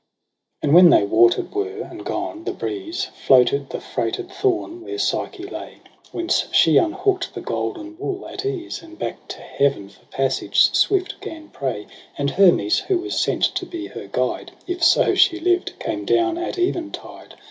i6 And when they water'd were and gone, the breeze Floated the freighted thorn where Psyche lay : Whence she unhook'd the golden wool at ease. And back to heaven for passage swift gan pray. And Hermes, who was sent to be her guide Ifso she lived, came down at eventide.